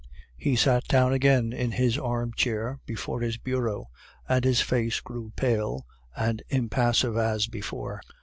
"He sat down again in his armchair before his bureau, and his face grew pale and impassive as before.